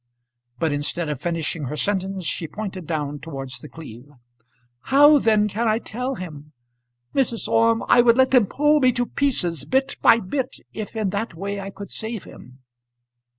But instead of finishing her sentence she pointed down towards The Cleeve. "How, then, can I tell him? Mrs. Orme, I would let them pull me to pieces, bit by bit, if in that way I could save him."